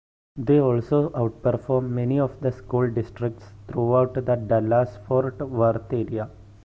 They also outperform many of the school districts throughout the Dallas-Fort Worth area.